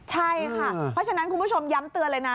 ใช่ค่ะเพราะฉะนั้นคุณผู้ชมย้ำเตือนเลยนะ